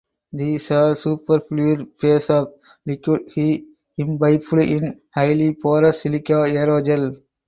These are superfluid phases of liquid He imbibed in highly porous silica aerogel.